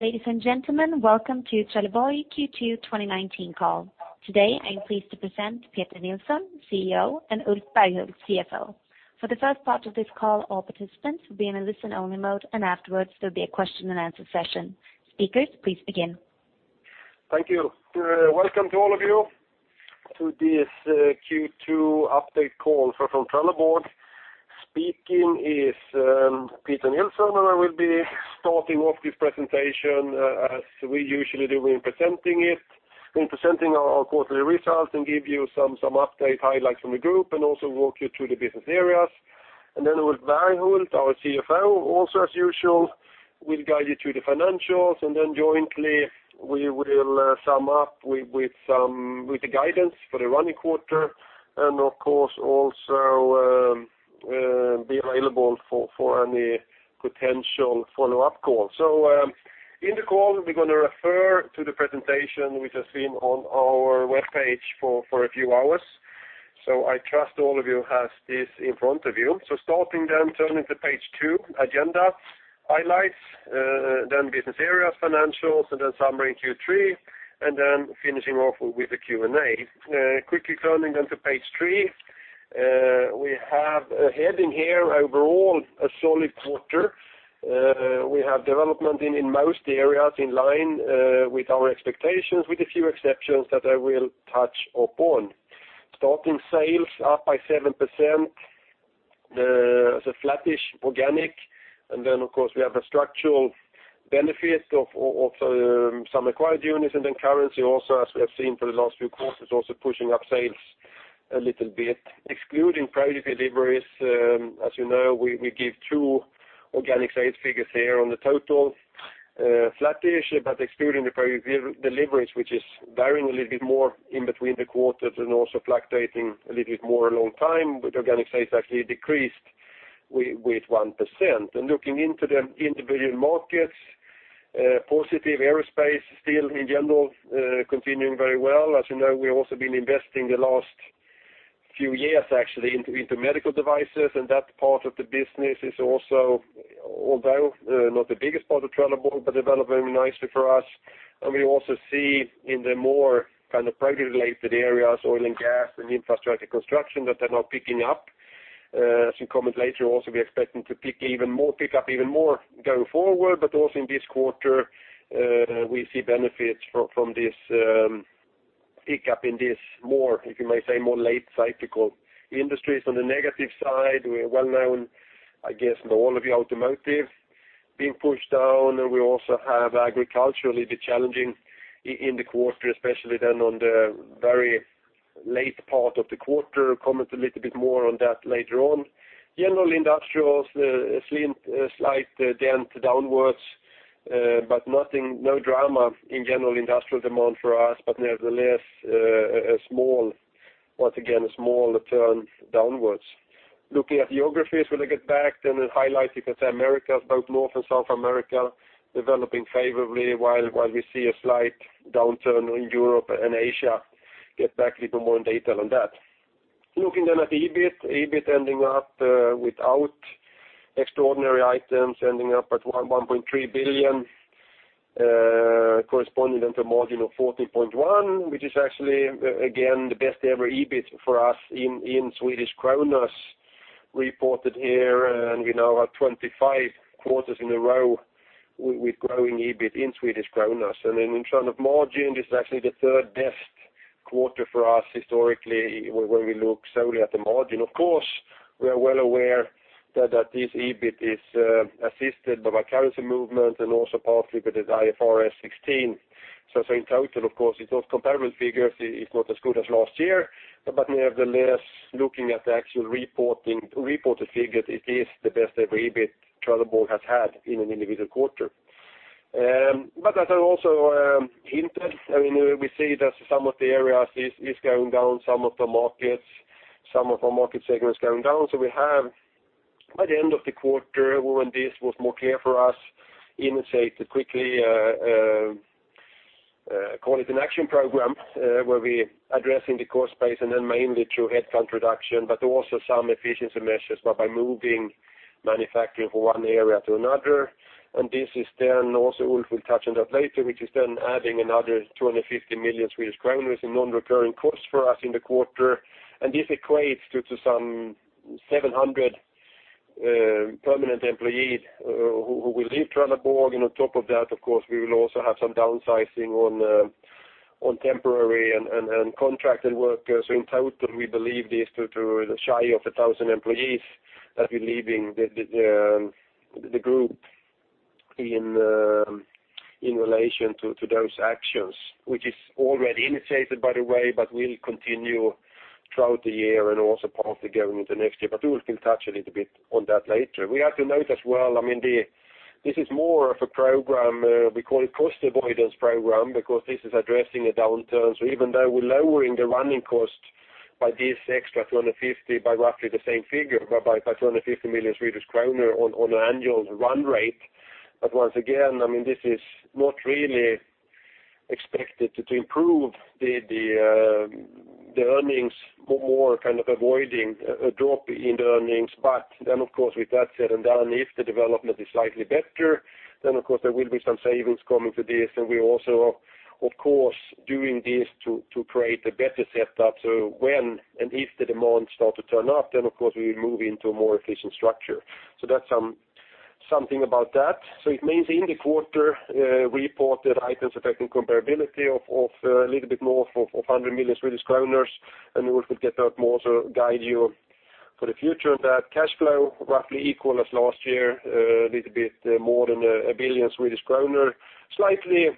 Ladies and gentlemen, welcome to Trelleborg Q2 2019 Call. Today, I am pleased to present Peter Nilsson, CEO, and Ulf Berghult, CFO. For the first part of this call, all participants will be in a listen-only mode, and afterwards there'll be a question and answer session. Speakers, please begin. Thank you. Welcome to all of you to this Q2 update call from Trelleborg. Speaking is Peter Nilsson. I will be starting off this presentation as we usually do in presenting our quarterly results and give you some update highlights from the group and also walk you through the business areas. Ulf Berghult, our CFO, also as usual, will guide you through the financials. Jointly, we will sum up with the guidance for the running quarter and of course also be available for any potential follow-up call. In the call, we're going to refer to the presentation which has been on our webpage for a few hours. I trust all of you have this in front of you. Starting then, turning to page two, agenda, highlights, then business areas, financials, and then summary Q3, and then finishing off with the Q&A. Quickly turning then to page three, we have a heading here, Overall, a Solid Quarter. We have development in most areas in line with our expectations, with a few exceptions that I will touch upon. Starting sales up by 7%, flattish organic. Of course, we have a structural benefit of some acquired units. Currency also, as we have seen for the last few quarters, also pushing up sales a little bit. Excluding project deliveries, as you know, we give two organic sales figures here on the total, flattish. Excluding the project deliveries, which is varying a little bit more in between the quarters and also fluctuating a little bit more along time, organic sales actually decreased with 1%. Looking into the individual markets, positive aerospace still in general continuing very well. As you know, we have also been investing the last few years actually into medical devices, and that part of the business is also, although not the biggest part of Trelleborg, developing nicely for us. We also see in the more project-related areas, oil and gas and infrastructure construction, that they're now picking up. As you comment later, we're expecting to pick up even more going forward. Also in this quarter, we see benefits from this pickup in this more, if you may say, more late cyclical industries. On the negative side, we're well known, I guess, to all of you, automotive being pushed down. We also have agriculture a little bit challenging in the quarter, especially then on the very late part of the quarter. Comment a little bit more on that later on. General industrials, a slight dent downwards, but no drama in general industrial demand for us, but nevertheless, once again, a small turn downwards. Looking at geographies, when I get back, then the highlight, you could say Americas, both North and South America, developing favorably while we see a slight downturn in Europe and Asia. Get back a little more in detail on that. Looking at EBIT. EBIT ending up without extraordinary items, ending up at 1.3 billion, corresponding then to a margin of 14.1%, which is actually, again, the best-ever EBIT for us in SEK reported here, and we now are 25 quarters in a row with growing EBIT in SEK. In terms of margin, this is actually the third-best quarter for us historically when we look solely at the margin. Of course, we are well aware that this EBIT is assisted by currency movement and also partly with this IFRS 16. In total, of course, it's not comparable figures. It's not as good as last year, but nevertheless, looking at the actual reported figures, it is the best-ever EBIT Trelleborg has had in an individual quarter. As I also hinted, we see that some of the areas is going down, some of our market segments going down. We have by the end of the quarter when this was more clear for us, initiate a quickly call it an action program, where we addressing the cost base and then mainly through headcount reduction, but also some efficiency measures, but by moving manufacturing from one area to another. This is then also Ulf will touch on that later, which is then adding another 250 million Swedish kronor in non-recurring costs for us in the quarter. This equates to some 700 permanent employees who will leave Trelleborg. On top of that, of course, we will also have some downsizing on temporary and contracted workers. In total, we believe this to the shy of 1,000 employees that will be leaving the group in relation to those actions, which is already initiated, by the way, but will continue throughout the year and also partly going into next year. Ulf will touch a little bit on that later. We have to note as well, this is more of a program. We call it cost avoidance program because this is addressing a downturn. Even though we're lowering the running cost by this extra 250, by roughly the same figure, by 250 million Swedish kronor on an annual run rate. Once again, this is not really expected to improve the earnings more, kind of avoiding a drop in the earnings. Of course, with that said and done, if the development is slightly better, then of course there will be some savings coming to this. We're also, of course, doing this to create a better setup. When and if the demand start to turn up, then of course, we will move into a more efficient structure. That's something about that. It means in the quarter, we reported items affecting comparability of a little bit more of 100 million Swedish kronor, and we could get that more to guide you for the future. Cash flow roughly equal as last year, a little bit more than 1 billion Swedish kronor. Slightly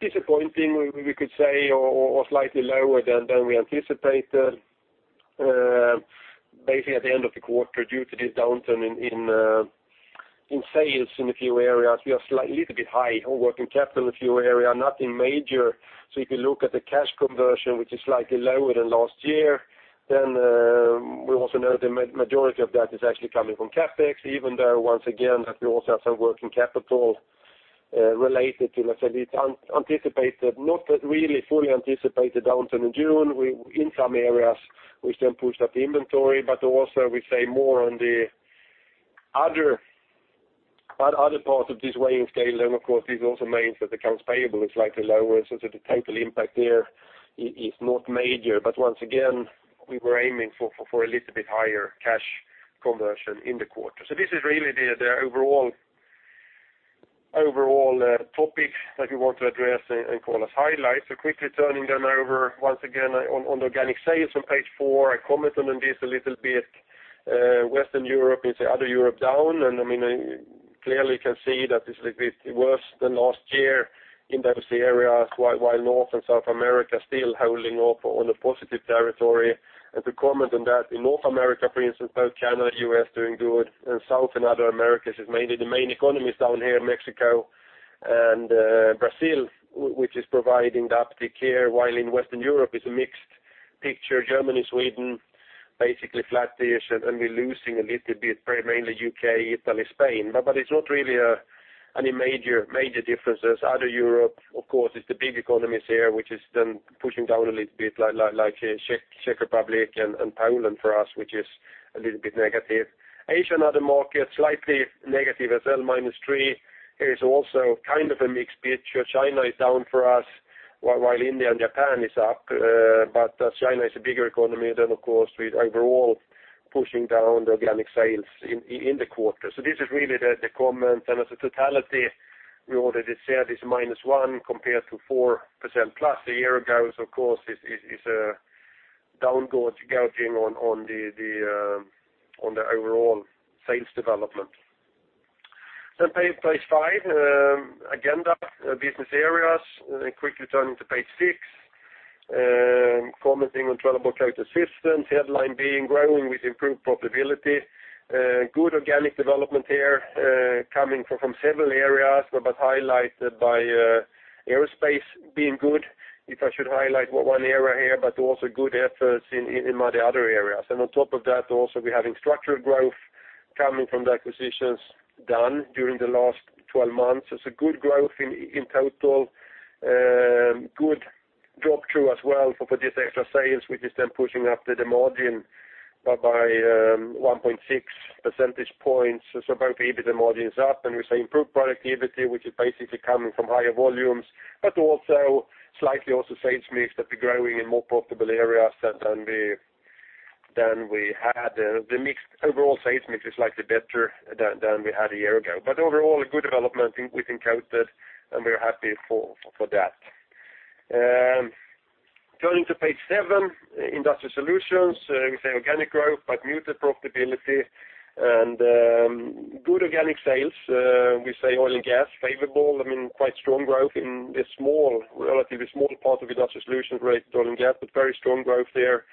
disappointing, we could say, or slightly lower than we anticipated, basically at the end of the quarter due to this downturn in sales in a few areas. We are a little bit high on working capital in a few areas, nothing major. If you look at the cash conversion, which is slightly lower than last year, then we also know the majority of that is actually coming from CapEx, even though once again, that we also have some working capital related to, let's say, the anticipated, not really fully anticipated downturn in June in some areas, which then pushed up the inventory. Also we say more on the other part of this weighing scale. Of course, this also means that accounts payable is slightly lower, so the total impact there is not major. Once again, we were aiming for a little bit higher cash conversion in the quarter. This is really the overall topic that we want to address and call as highlights. Quickly turning them over once again on the organic sales on page four, I comment on this a little bit. Western Europe, Other Europe down, and you clearly can see that it's a little bit worse than last year in those areas, while North and South America still holding up on a positive territory. To comment on that, in North America, for instance, both Canada, U.S. doing good, South and Other Americas is mainly the main economies down here, Mexico and Brazil, which is providing the uptick here, while in Western Europe it's a mixed picture. Germany, Sweden, basically flat-ish, we're losing a little bit, mainly U.K., Italy, Spain. It's not really any major differences. Other Europe, of course, is the big economies here, which is then pushing down a little bit like Czech Republic and Poland for us, which is a little bit negative. Asia and Other markets, slightly negative as well, minus three, is also kind of a mixed picture. China is down for us, while India and Japan is up. China is a bigger economy, then of course, with overall pushing down the organic sales in the quarter. This is really the comment, as a totality, we already said it's minus one compared to 4%+ a year ago. Of course, it's a downward gouging on the overall sales development. Page five, Agenda, Business areas, quickly turning to page six, commenting on Trelleborg Coated Systems, headline being growing with improved profitability. Good organic development here, coming from several areas, highlighted by aerospace being good, if I should highlight one area here, also good efforts in many other areas. On top of that, also we're having structural growth coming from the acquisitions done during the last 12 months. It's a good growth in total. Good drop-through as well for this extra sales, which is then pushing up the margin by 1.6 percentage points. Both EBIT and margin is up, and we say improved productivity, which is basically coming from higher volumes, but also slightly sales mix that we are growing in more profitable areas than we had. The overall sales mix is slightly better than we had a year ago. Overall, a good development within Coated Systems, and we are happy for that. Turning to page seven, Industrial Solutions, we say organic growth, muted profitability and good organic sales. We say oil and gas, favorable, quite strong growth in this relatively small part of Industrial Solutions, oil and gas, very strong growth there.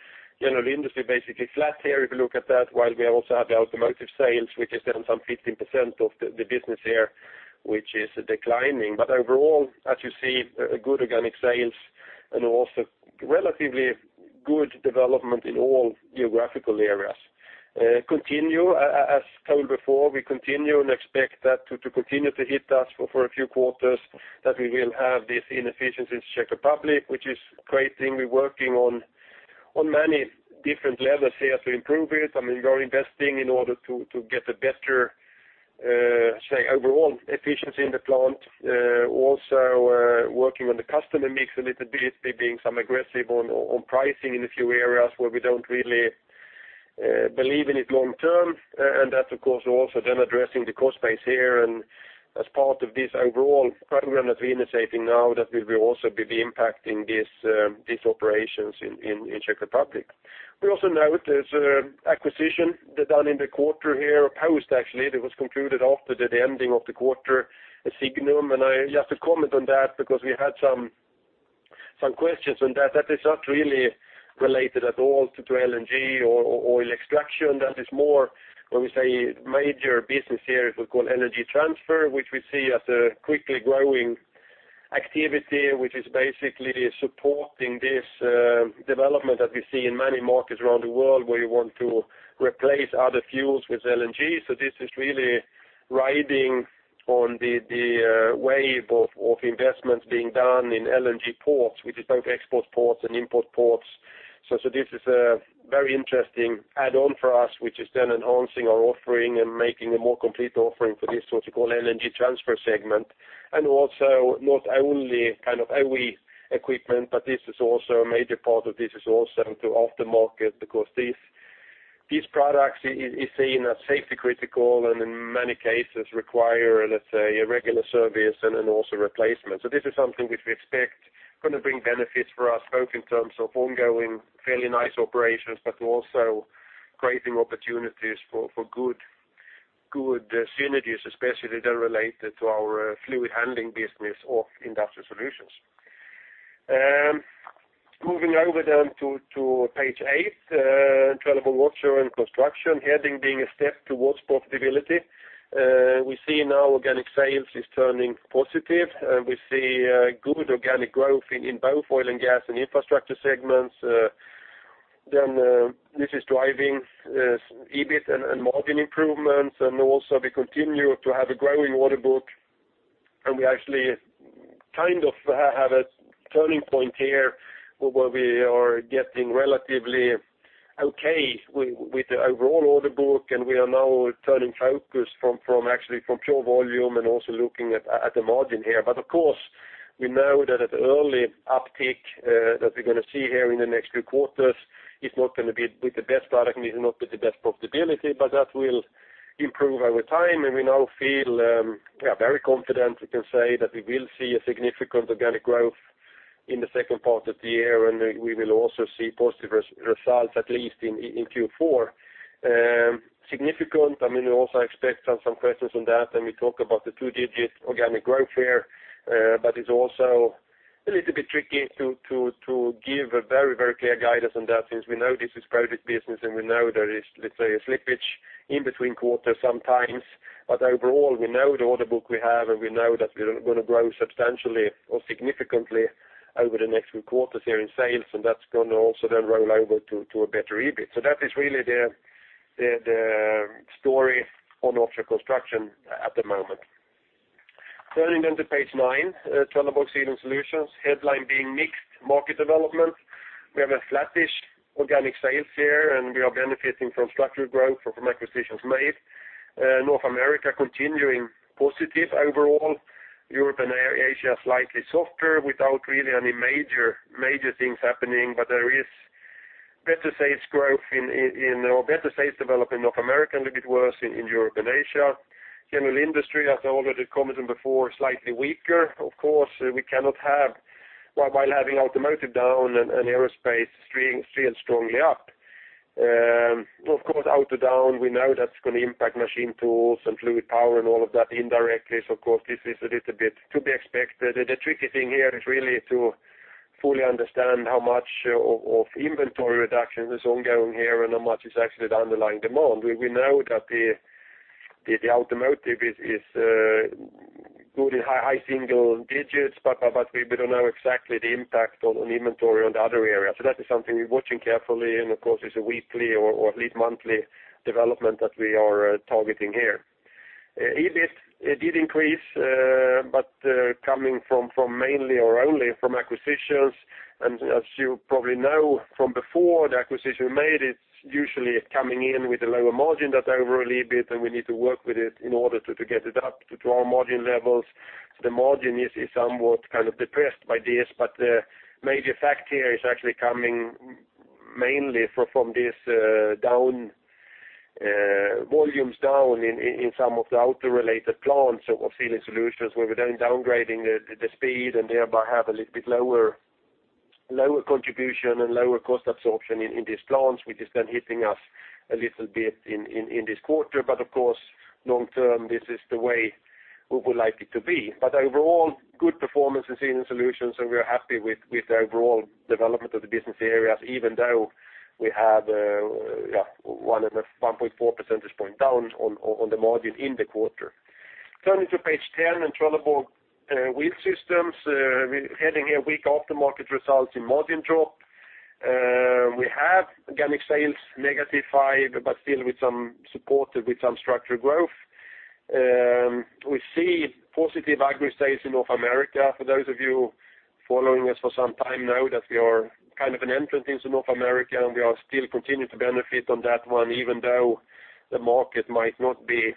General Industry basically flat here, if you look at that, while we also have the Automotive sales, which is then some 15% of the business here, which is declining. Overall, as you see, good organic sales and also relatively good development in all geographical areas. Continue, as told before, we continue and expect that to continue to hit us for a few quarters, that we will have these inefficiencies in Czech Republic, which is creating. We are working on many different levels here to improve it. We are investing in order to get a better overall efficiency in the plant. Also working on the customer mix a little bit, being some aggressive on pricing in a few areas where we do not really believe in it long term. That, of course, also then addressing the cost base here and as part of this overall program that we are initiating now, that will also be impacting these operations in Czech Republic. We also note there is acquisition done in the quarter here, post actually, that was concluded after the ending of the quarter, Signum, and I have to comment on that because we had some questions on that. That is not really related at all to LNG or oil extraction. That is more, when we say major business here, we call energy transfer, which we see as a quickly growing activity, which is basically supporting this development that we see in many markets around the world where you want to replace other fuels with LNG. This is really riding on the wave of investments being done in LNG ports, which is both export ports and import ports. This is a very interesting add-on for us, which is then enhancing our offering and making a more complete offering for this, what you call energy transfer segment, and also not only OE equipment, but this is also a major part of this is also to aftermarket because these products is seen as safety critical and in many cases require, let's say, a regular service and then also replacement. This is something which we expect going to bring benefits for us both in terms of ongoing, fairly nice operations, but also creating opportunities for good synergies, especially then related to our fluid handling business or Industrial Solutions. Moving over to page eight, Trelleborg Offshore & Construction, heading being a step towards profitability. We see now organic sales is turning positive. We see good organic growth in both oil and gas and infrastructure segments. This is driving EBIT and margin improvements. Also we continue to have a growing order book. We actually kind of have a turning point here where we are getting relatively okay with the overall order book, and we are now turning focus from actually from pure volume and also looking at the margin here. Of course, we know that an early uptick that we're going to see here in the next few quarters is not going to be with the best product, is not with the best profitability, but that will improve over time. We now feel very confident, we can say that we will see a significant organic growth in the second part of the year. We will also see positive results, at least in Q4. Significant, I mean, we also expect some questions on that. We talk about the two-digit organic growth here. It's also a little bit tricky to give a very clear guidance on that since we know this is project business and we know there is, let's say, a slippage in between quarters sometimes. Overall, we know the order book we have. We know that we're going to grow substantially or significantly over the next few quarters here in sales. That's going to also then roll over to a better EBIT. That is really the story on Offshore & Construction at the moment. Turning then to page nine, Trelleborg Sealing Solutions, headline being mixed market development. We have a flattish organic sales here. We are benefiting from structural growth from acquisitions made. North America continuing positive overall. Europe and Asia slightly softer without really any major things happening. There is better sales growth in or better sales development in North America, a little bit worse in Europe and Asia. General industry, as I already commented before, slightly weaker. Of course, we cannot have, while having automotive down and aerospace still strongly up. Of course, auto down, we know that's going to impact machine tools and fluid power and all of that indirectly. Of course, this is a little bit to be expected. The tricky thing here is really to fully understand how much of inventory reduction is ongoing here and how much is actually the underlying demand. We know that the automotive is good in high single digits. We don't know exactly the impact on inventory on the other area. That is something we're watching carefully. Of course, it's a weekly or at least monthly development that we are targeting here. EBIT did increase, but coming from mainly or only from acquisitions. As you probably know from before, the acquisition made, it's usually coming in with a lower margin than overall EBIT. We need to work with it in order to get it up to our margin levels. The margin is somewhat kind of depressed by this, but the major fact here is actually coming mainly from these volumes down in some of the auto-related plants of Sealing Solutions, where we're then downgrading the speed and thereby have a little bit lower contribution and lower cost absorption in these plants, which is then hitting us a little bit in this quarter. Of course, long term, this is the way we would like it to be. Overall, good performance in Sealing Solutions. We are happy with the overall development of the business areas, even though we had 1.4 percentage point down on the margin in the quarter. Turning to page 10 in Trelleborg Wheel Systems, heading here, weak aftermarket results in margin drop. We have organic sales negative 5%, but still with some support with some structural growth. We see positive Agri sales in North America. For those of you following us for some time now, that we are kind of an entrant into North America, and we are still continuing to benefit on that one, even though the market might not be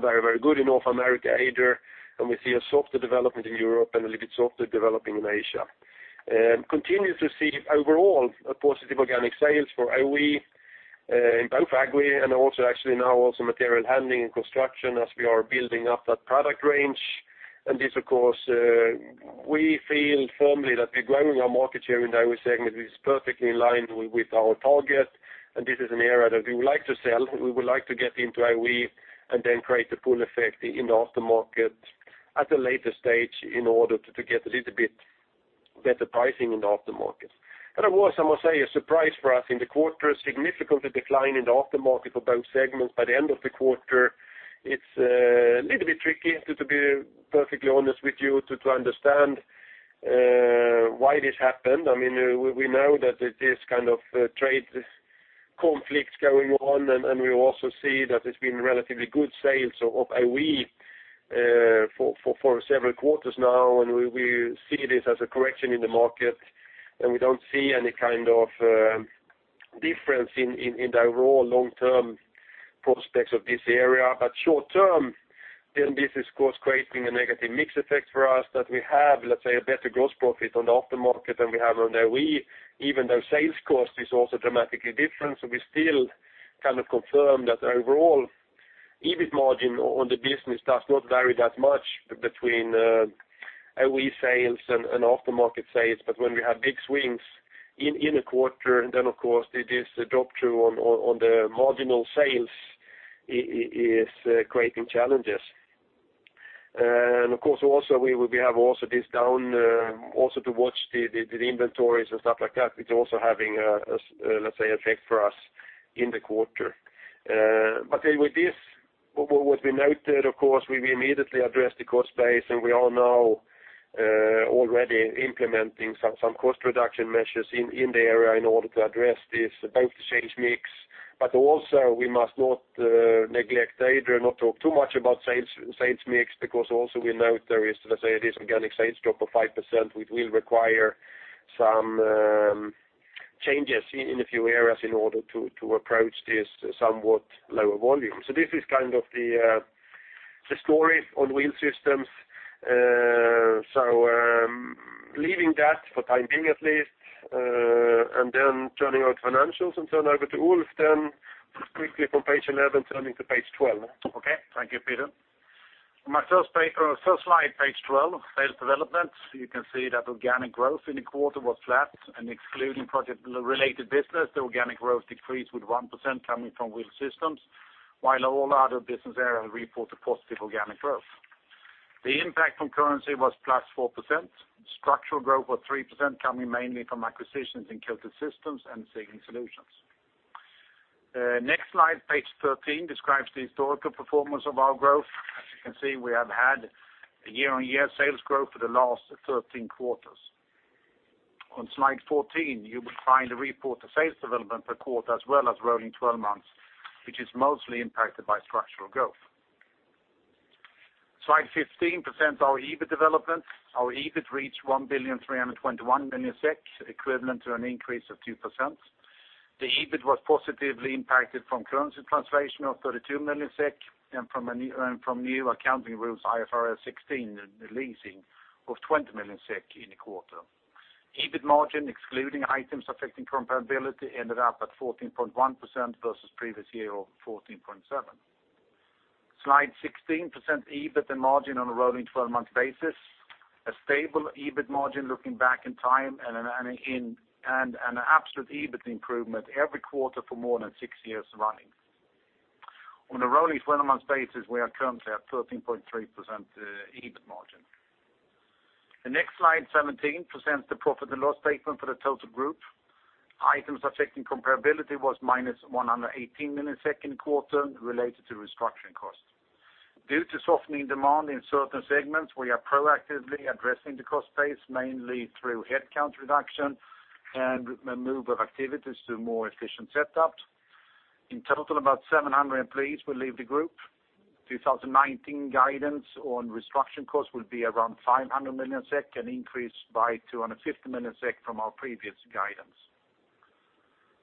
very good in North America either. We see a softer development in Europe and a little bit softer developing in Asia. Continue to see overall a positive organic sales for OE in both Agri and also actually now also material handling and construction as we are building up that product range. This, of course, we feel firmly that we're growing our market share in the OE segment, which is perfectly in line with our target, and this is an area that we would like to sell. We would like to get into OE and then create a pull effect in the aftermarket at a later stage in order to get a little bit better pricing in the aftermarket. There was, I must say, a surprise for us in the quarter, a significant decline in the aftermarket for both segments by the end of the quarter. It's a little bit tricky, to be perfectly honest with you, to understand why this happened. I mean, we know that it is kind of trade conflicts going on. We also see that it's been relatively good sales of OE for several quarters now. We see this as a correction in the market. We don't see any kind of difference in the overall long-term prospects of this area. Short-term, this is, of course, creating a negative mix effect for us that we have, let's say, a better gross profit on the aftermarket than we have on OE, even though sales cost is also dramatically different. We still confirm that overall EBIT margin on the business does not vary that much between OE sales and aftermarket sales, but when we have big swings in a quarter, of course, it is the drop-through on the marginal sales is creating challenges. Of course, also we have also this down, also to watch the inventories and stuff like that. It's also having a, let's say, effect for us in the quarter. With this, what we noted, of course, we immediately addressed the cost base. We are now already implementing some cost reduction measures in the area in order to address this, both the change mix, but also we must not neglect, I dare not talk too much about sales mix, because also we note there is, let's say, this organic sales drop of 5%, which will require some changes in a few areas in order to approach this somewhat lower volume. This is kind of the story on Wheel Systems. Leaving that for time being at least, turning on financials and turn over to Ulf quickly from page 11, turning to page 12. Okay. Thank you, Peter. On my first slide, page 12, sales development, you can see that organic growth in the quarter was flat, excluding project-related business, the organic growth decreased with 1% coming from Wheel Systems, while all other business areas report a positive organic growth. The impact from currency was +4%. Structural growth was 3%, coming mainly from acquisitions in Coated Systems and Sealing Solutions. Next slide, page 13, describes the historical performance of our growth. As you can see, we have had a year-on-year sales growth for the last 13 quarters. On slide 14, you will find the report to sales development per quarter as well as rolling 12 months, which is mostly impacted by structural growth. Slide 15 presents our EBIT development. Our EBIT reached 1,321 million SEK, equivalent to an increase of 2%. EBIT was positively impacted from currency translation of 32 million SEK and from new accounting rules, IFRS 16, the leasing of 20 million SEK in the quarter. EBIT margin excluding items affecting comparability ended up at 14.1% versus previous year of 14.7%. Slide 16 presents EBIT and margin on a rolling 12-month basis. A stable EBIT margin looking back in time and an absolute EBIT improvement every quarter for more than six years running. On a rolling 12-month basis, we are currently at 13.3% EBIT margin. Next slide, 17, presents the profit and loss statement for the total group. Items affecting comparability was -118 million in the quarter related to restructuring costs. Due to softening demand in certain segments, we are proactively addressing the cost base mainly through headcount reduction and move of activities to more efficient setups. In total, about 700 employees will leave the group. 2019 guidance on restructuring costs will be around 500 million SEK, an increase by 250 million SEK from our previous guidance.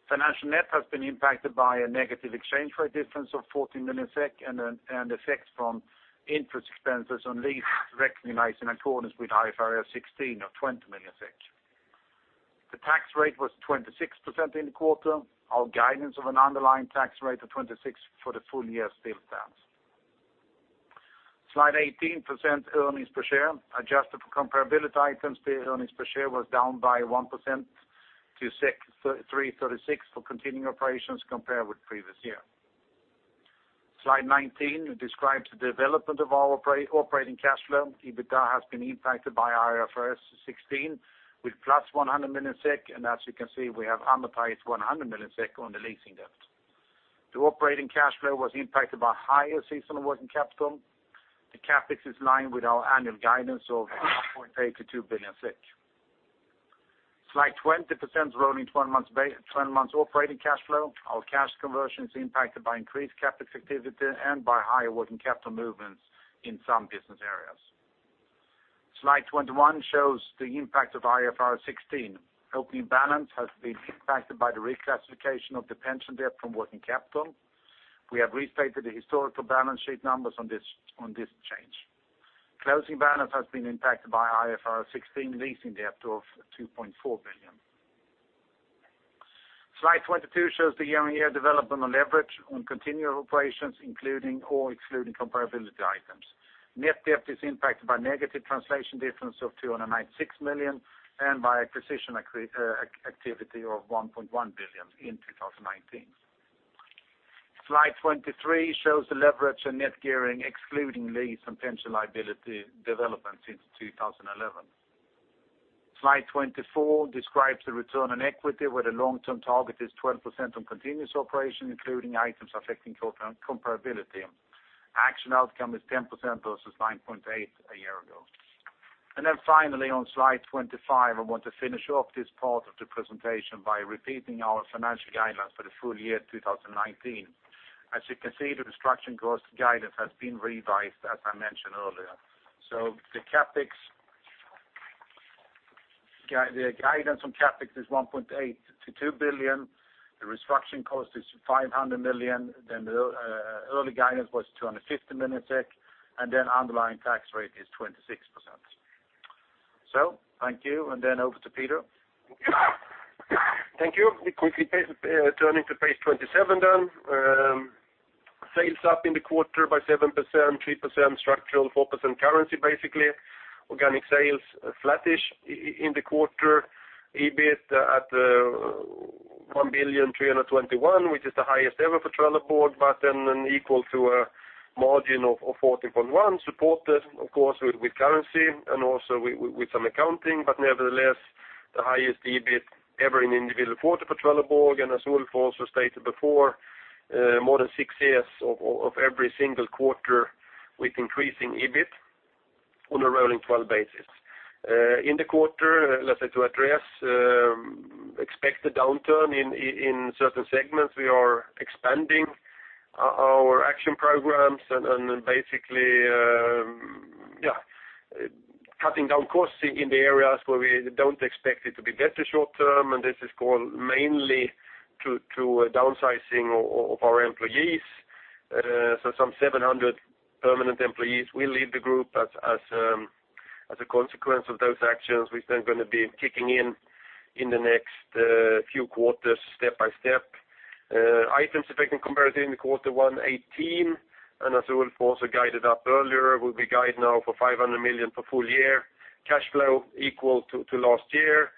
Financial net has been impacted by a negative exchange rate difference of 14 million SEK and effect from interest expenses on lease recognized in accordance with IFRS 16 of 20 million. Tax rate was 26% in the quarter. Our guidance of an underlying tax rate of 26% for the full year still stands. Slide 18 presents earnings per share. Adjusted for comparability items, the earnings per share was down by 1% to 3.36 for continuing operations compared with previous year. Slide 19 describes the development of our operating cash flow. EBITDA has been impacted by IFRS 16 with +100 million SEK, and as you can see, we have amortized 100 million SEK on the leasing debt. Operating cash flow was impacted by higher seasonal working capital. CapEx is in line with our annual guidance of 1.8 billion-2 billion. Slide 20 presents rolling 12-month operating cash flow. Our cash conversion is impacted by increased CapEx activity and by higher working capital movements in some business areas. Slide 21 shows the impact of IFRS 16. Opening balance has been impacted by the reclassification of the pension debt from working capital. We have restated the historical balance sheet numbers on this change. Closing balance has been impacted by IFRS 16 leasing debt of 2.4 billion. Slide 22 shows the year-on-year development on leverage on continuing operations including or excluding comparability items. Net debt is impacted by negative translation difference of 296 million and by acquisition activity of 1.1 billion in 2019. Slide 23 shows the leverage and net gearing excluding lease and pension liability development since 2011. Slide 24 describes the return on equity where the long-term target is 12% on continuous operation including items affecting comparability. Actual outcome is 10% versus 9.8% a year ago. Finally on slide 25, I want to finish up this part of the presentation by repeating our financial guidelines for the full year 2019. As you can see, the restructuring cost guidance has been revised, as I mentioned earlier. The guidance on CapEx is 1.8 billion-2 billion. The restructuring cost is 500 million. The early guidance was 250 million, underlying tax rate is 26%. Thank you. Over to Peter. Thank you. Quickly turning to page 27. Sales up in the quarter by 7%, 3% structural, 4% currency, basically. Organic sales flattish in the quarter. EBIT at 1.321 billion, which is the highest ever for Trelleborg, equal to a margin of 14.1%, supported of course, with currency and also with some accounting, but nevertheless, the highest EBIT ever in individual quarter for Trelleborg. As Ulf also stated before, more than six years of every single quarter with increasing EBIT on a rolling 12 basis. In the quarter, to address expected downturn in certain segments, we are expanding our action programs and basically cutting down costs in the areas where we don't expect it to be better short term, and this is due mainly to a downsizing of our employees. Some 700 permanent employees will leave the group as a consequence of those actions, which going to be kicking in the next few quarters, step by step. Items affecting comparability to Q1 2018, as Ulf also guided up earlier, we guide now for 500 million for full year. Cash flow equal to last year,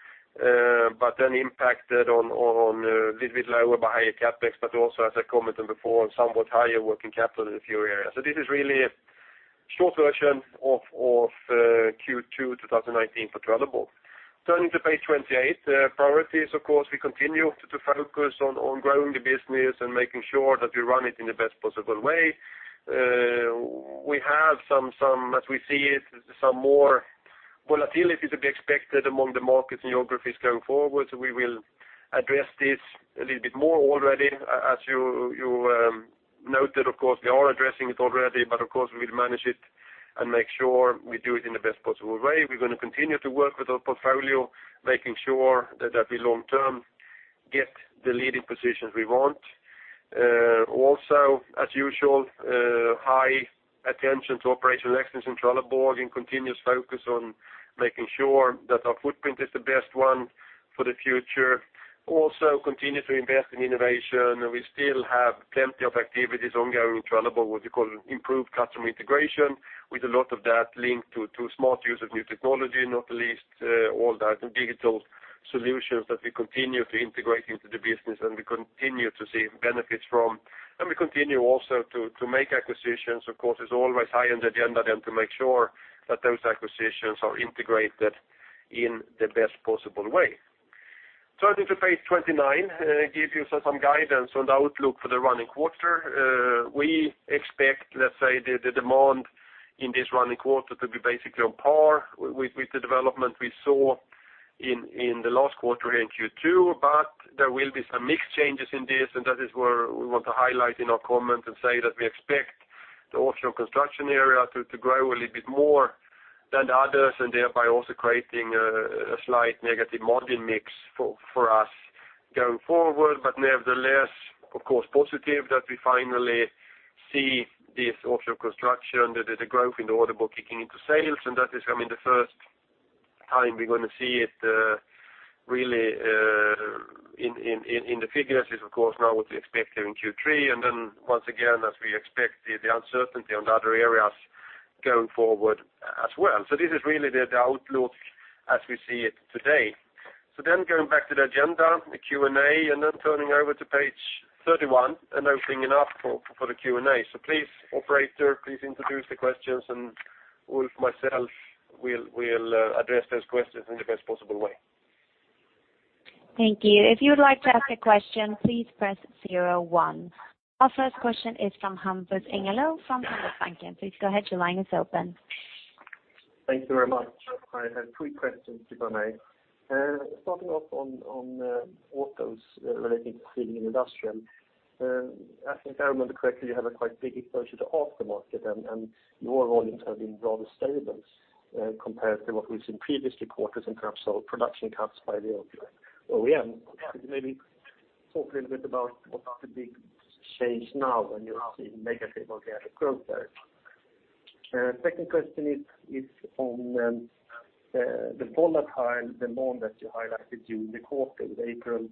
impacted on a little bit lower by higher CapEx, but also, as I commented before, somewhat higher working capital in a few areas. This is really a short version of Q2 2019 for Trelleborg. Turning to page 28, priorities, of course, we continue to focus on growing the business and making sure that we run it in the best possible way. We have, as we see it, some more volatility to be expected among the markets and geographies going forward. We will address this a little bit more already. As you noted, of course, we are addressing it already, but of course, we will manage it and make sure we do it in the best possible way. We're going to continue to work with our portfolio, making sure that we long term get the leading positions we want. Also, as usual, high attention to operational excellence in Trelleborg and continuous focus on making sure that our footprint is the best one for the future. Also continue to invest in innovation. We still have plenty of activities ongoing in Trelleborg, what you call improved customer integration, with a lot of that linked to smart use of new technology, not the least, all that digital solutions that we continue to integrate into the business and we continue to see benefits from. We continue also to make acquisitions. Of course, it's always high on the agenda then to make sure that those acquisitions are integrated in the best possible way. Turning to page 29, give you some guidance on the outlook for the running quarter. We expect, let's say, the demand in this running quarter to be basically on par with the development we saw in the last quarter in Q2. There will be some mix changes in this, and that is where we want to highlight in our comment and say that we expect the offshore construction area to grow a little bit more than others, and thereby also creating a slight negative margin mix for us going forward. Nevertheless, of course, positive that we finally see this offshore construction, that there's a growth in the order book kicking into sales, and that is the first time we're going to see it really in the figures is, of course, now what we expect here in Q3. Once again, as we expect the uncertainty on the other areas going forward as well. This is really the outlook as we see it today. Going back to the agenda, the Q&A, and then turning over to page 31 and opening up for the Q&A. Please, operator, please introduce the questions and Ulf, myself, we'll address those questions in the best possible way. Thank you. If you would like to ask a question, please press zero one. Our first question is from Hampus Engellau, from Handelsbanken. Please go ahead. Your line is open. Thank you very much. I have three questions, if I may. Starting off on autos relating to Sealing and Industrial. I think if I remember correctly, you have a quite big exposure to auto market, and your volumes have been rather stable compared to what we've seen previous quarters in terms of production cuts by the OEM. Could you maybe talk a little bit about what are the big change now when you are seeing negative organic growth there? Second question is on the volatile demand that you highlighted during the quarter with April,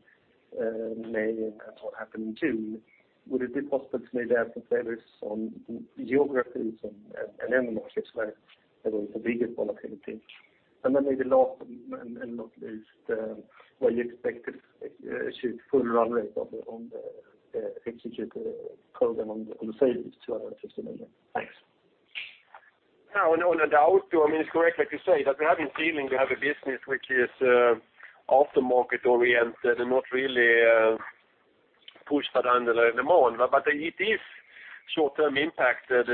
May, and what happened in June. Would it be possible to maybe add some colors on geographies and end markets where there was the biggest volatility? Maybe last and not least, where you expect to achieve full run rate on the execute program on the savings, SEK 250 million. Thanks. On the auto, it's correct, like you say, that we have been feeling we have a business which is aftermarket oriented and not really push that underlying demand. It is short-term impact that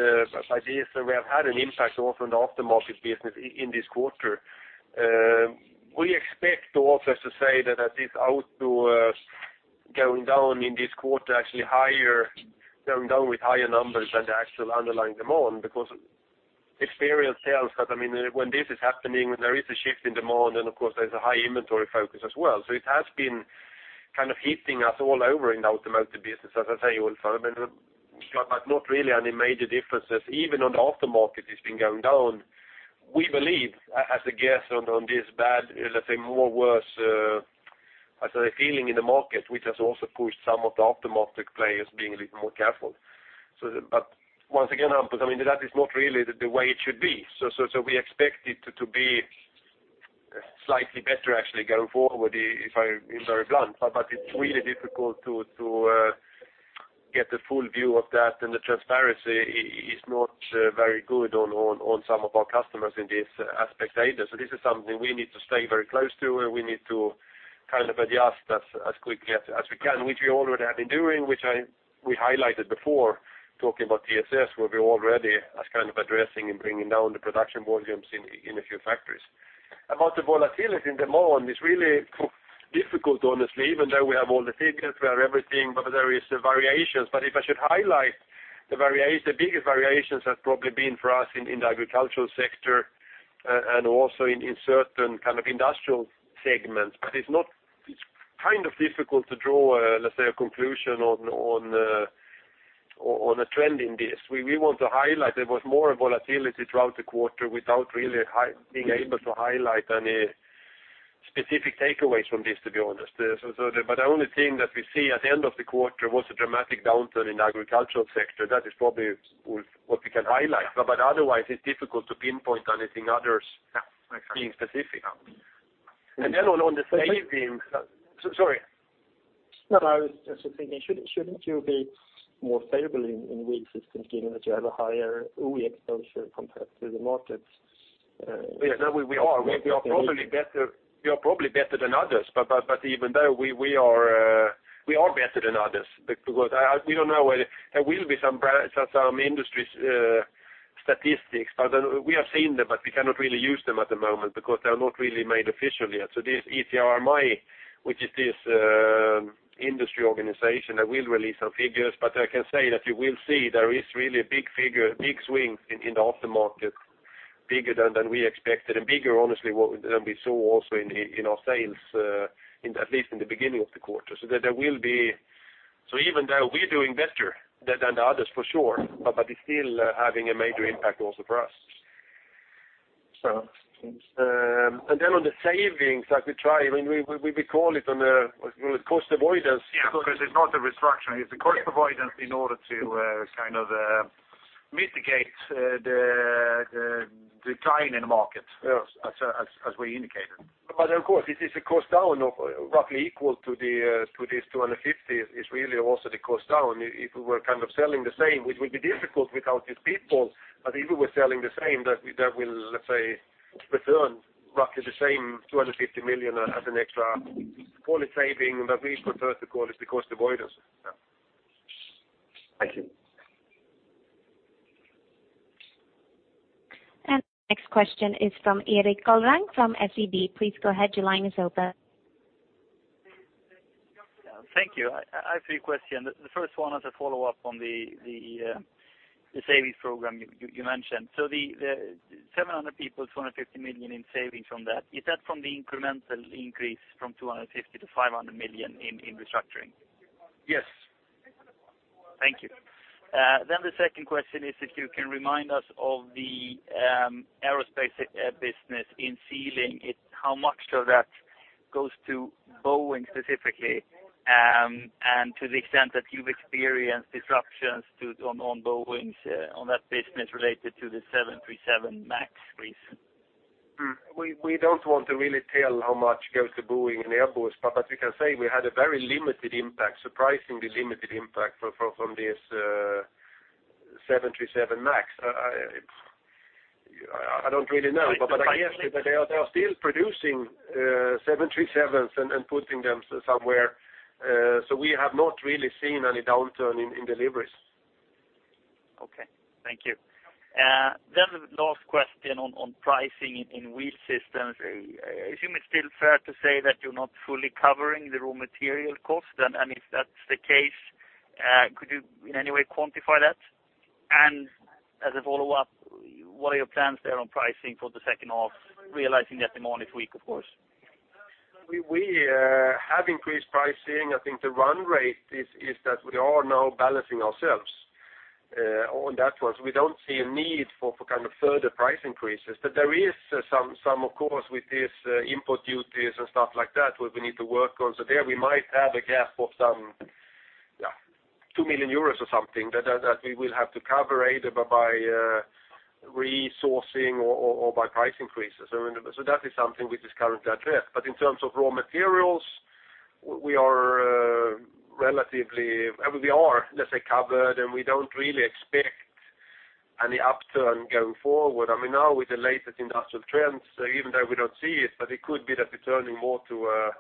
ideas that we have had an impact also on the aftermarket business in this quarter. We expect also to say that as this auto going down in this quarter, actually going down with higher numbers than the actual underlying demand, because experience tells that when this is happening, when there is a shift in demand, and of course there's a high inventory focus as well. It has been kind of hitting us all over in the automotive business, as I tell you, Hampus but not really any major differences, even on the aftermarket it's been going down. We believe, as a guess on this bad, let's say, more worse, feeling in the market, which has also pushed some of the aftermarket players being a little more careful. Once again, Hampus, that is not really the way it should be. We expect it to be slightly better actually going forward, if I'm very blunt. It's really difficult to get the full view of that, and the transparency is not very good on some of our customers in this aspect either. This is something we need to stay very close to, and we need to kind of adjust as quickly as we can, which we already have been doing, which we highlighted before, talking about TSS, where we already as kind of addressing and bringing down the production volumes in a few factories. About the volatility in demand, it's really difficult, honestly, even though we have all the figures, we have everything, there is variations. If I should highlight the biggest variations has probably been for us in the agricultural sector, and also in certain kind of industrial segments. It's kind of difficult to draw a, let's say, a conclusion on a trend in this. We want to highlight there was more volatility throughout the quarter without really being able to highlight any specific takeaways from this, to be honest. The only thing that we see at the end of the quarter was a dramatic downturn in the agricultural sector. That is probably what we can highlight. Otherwise, it's difficult to pinpoint anything others. Yeah. Exactly. being specific. Sorry. No, I was just thinking, shouldn't you be more favorable in Wheel Systems given that you have a higher OE exposure compared to the markets? Yes, we are. We are probably better than others, because we don't know whether there will be some industry statistics. We have seen them, but we cannot really use them at the moment because they're not really made official yet. This ETRMA, which is this industry organization, that will release some figures. I can say that you will see there is really a big swing in the aftermarket, bigger than we expected and bigger, honestly, than we saw also in our sales, at least in the beginning of the quarter. Even though we're doing better than the others, for sure, but it's still having a major impact also for us. Okay. Thanks. On the savings, we call it on a cost avoidance because it's not a restructuring, it's a cost avoidance in order to kind of mitigate the decline in the market- Yes as we indicated. It is a cost down of roughly equal to this 250 million is really also the cost down. If we were kind of selling the same, which would be difficult without these people, but even we're selling the same, that will, let's say, return roughly the same 250 million as an extra quality saving, but we prefer to call it the cost avoidance. Yeah. Thank you. The next question is from Erik Golrang from SEB. Please go ahead. Your line is open. Thank you. I have three questions. The first one is a follow-up on the savings program you mentioned. The 700 people, 250 million in savings from that, is that from the incremental increase from 250 million to 500 million in restructuring? Yes. Thank you. The second question is if you can remind us of the aerospace business in Sealing, how much of that goes to Boeing specifically, and to the extent that you've experienced disruptions on that business related to the 737 MAX recent. We don't want to really tell how much goes to Boeing and Airbus, but we can say we had a very limited impact, surprisingly limited impact from this 737 MAX. I don't really know, but I guess they are still producing 737s and putting them somewhere. We have not really seen any downturn in deliveries. Okay. Thank you. The last question on pricing in Wheel Systems. Is it still fair to say that you're not fully covering the raw material cost? If that's the case, could you in any way quantify that? As a follow-up, what are your plans there on pricing for the second half, realizing that demand is weak, of course? We have increased pricing. I think the run rate is that we are now balancing ourselves on that one. We don't see a need for kind of further price increases. There is some, of course, with these import duties and stuff like that, where we need to work on. There we might have a gap of some 2 million euros or something that we will have to cover either by resourcing or by price increases. That is something which is currently addressed. In terms of raw materials, we are, let's say, covered, and we don't really expect any upturn going forward. Now with the latest industrial trends, even though we don't see it, but it could be that we're turning more to a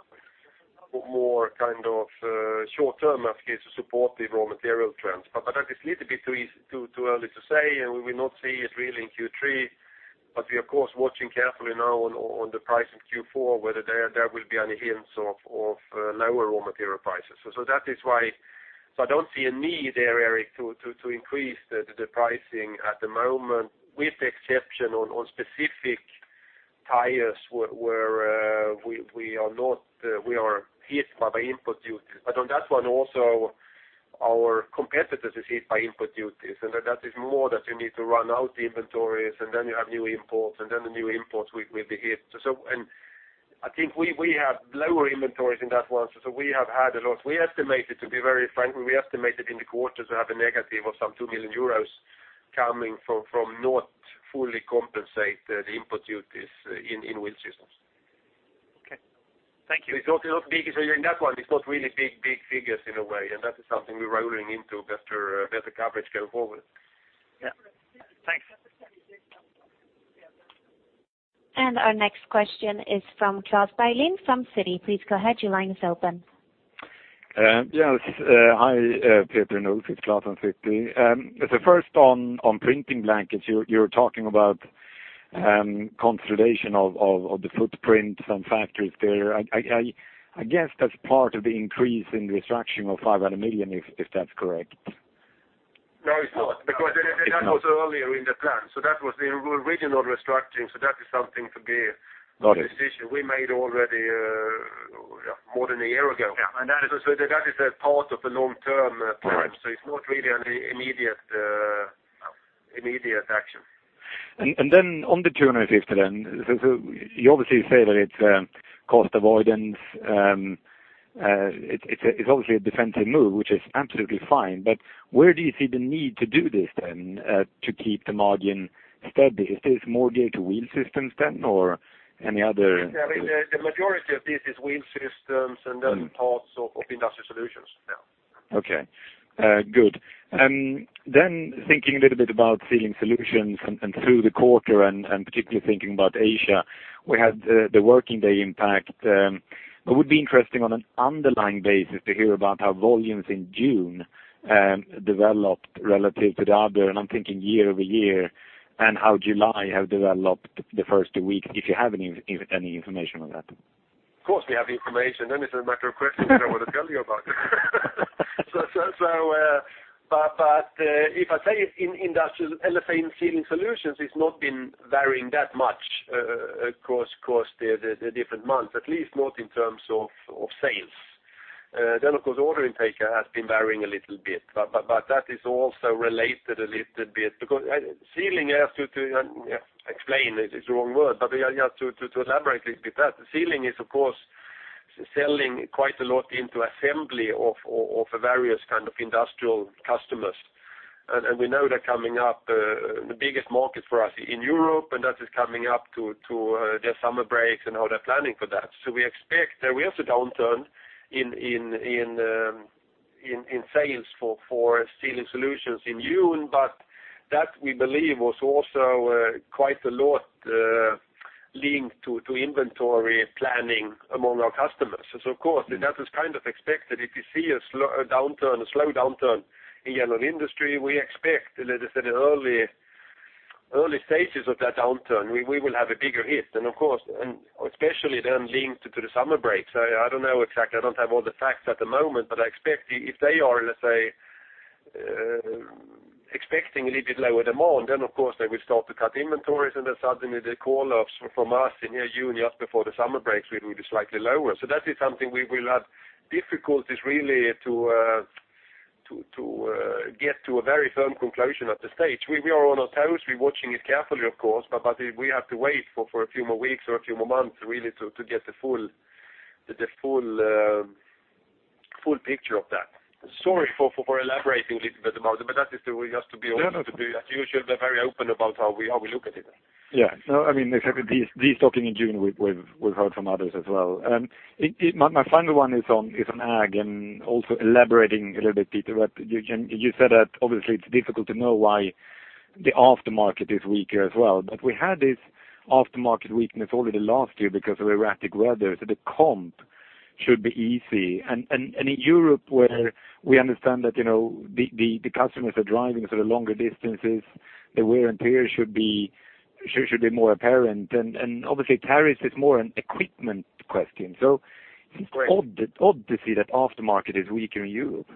more short-term case to support the raw material trends. That is little bit too early to say, and we will not see it really in Q3. We of course watching carefully now on the price in Q4, whether there will be any hints of lower raw material prices. I don't see a need there, Erik, to increase the pricing at the moment, with the exception on specific tires where we are hit by import duties. On that one also, our competitors is hit by import duties, and that is more that you need to run out the inventories, and then you have new imports, and then the new imports will be hit. I think we have lower inventories in that one, so we have had a lot. To be very frank, we estimated in the quarter to have a negative of some 2 million euros coming from not fully compensate the input duties in Wheel Systems. Okay. Thank you. In that one, it's not really big figures in a way, and that is something we're rolling into better coverage going forward. Yeah. Thanks. Our next question is from Klas Bergelind from Citi. Please go ahead. Your line is open. Yes. Hi, Peter and Ulf. It's Klas from Citi. First on printing blankets, you're talking about consolidation of the footprint, some factories there. I guess that's part of the increase in restructuring of 500 million, if that's correct. No, it's not. That was earlier in the plan. That was the original restructuring. Got it a decision we made already more than a year ago. Yeah. That is a part of the long-term plan. All right. It's not really an immediate action. On the 250, you obviously say that it's cost avoidance. It's obviously a defensive move, which is absolutely fine, but where do you see the need to do this, to keep the margin steady? Is this more geared to Wheel Systems or any other- I mean, the majority of this is Wheel Systems, parts of Industrial Solutions. Yeah. Okay. Good. Thinking a little bit about Sealing Solutions through the quarter, particularly thinking about Asia, we had the working day impact. It would be interesting on an underlying basis to hear about how volumes in June developed relative to the other, I'm thinking year-over-year, and how July developed the first week, if you have any information on that. Of course, we have information, then it's a matter of questioning what I want to tell you about. If I say in Industrial and Sealing Solutions, it's not been varying that much across the different months, at least not in terms of sales. Of course, order intake has been varying a little bit, but that is also related a little bit because Sealing, I have to elaborate a little bit that Sealing is, of course, selling quite a lot into assembly of various kind of industrial customers. We know they're coming up, the biggest market for us in Europe, and that is coming up to their summer breaks and how they're planning for that. We expect that we have a downturn in sales for Sealing Solutions in June, but that we believe was also quite a lot linked to inventory planning among our customers. Of course, that is kind of expected. If you see a slow downturn in general industry, we expect, like I said, early stages of that downturn, we will have a bigger hit. Of course, and especially then linked to the summer break. I don't know exactly, I don't have all the facts at the moment, but I expect if they are, let's say, expecting a little bit lower demand, then of course they will start to cut inventories and then suddenly the call-ups from us in June, just before the summer breaks, will be slightly lower. That is something we will have difficulties really to get to a very firm conclusion at this stage. We are on our toes. We're watching it carefully, of course, but we have to wait for a few more weeks or a few more months really to get the full picture of that. Sorry for elaborating a little bit about it, but that is we have to be No as usual, be very open about how we look at it. Yeah. No, exactly. Destocking in June, we've heard from others as well. My final one is on ag and also elaborating a little bit, Peter, you said that obviously it's difficult to know why the aftermarket is weaker as well. We had this aftermarket weakness already last year because of erratic weather, so the comp should be easy. In Europe, where we understand that the customers are driving sort of longer distances, the wear and tear should be more apparent. Obviously tariffs is more an equipment question. Correct Odd to see that aftermarket is weaker in Europe.